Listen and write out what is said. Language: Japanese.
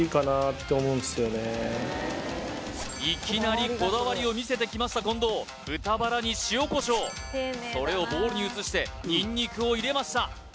っていうのを考えてるんでいきなりこだわりを見せてきました近藤豚バラに塩こしょうそれをボウルに移してニンニクを入れました